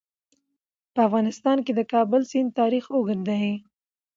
په افغانستان کې د د کابل سیند تاریخ اوږد دی.